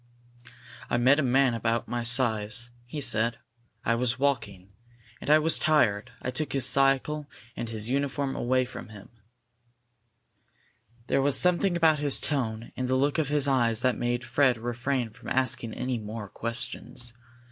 "I met a man of about my size," he said. "I was walking. And I was tired. I took his cycle and his uniform away from him." There was something about his tone and the look in his eyes that made Fred refrain from asking any more questions.